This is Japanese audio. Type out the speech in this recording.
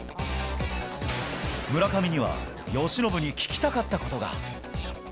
村上には由伸に聞きたかったことが。